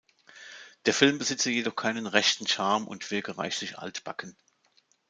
Der Film besitze jedoch keinen „"rechten Charme"“ und wirke „"reichlich altbacken"“.